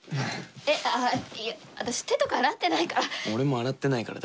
私、手とか洗ってないから。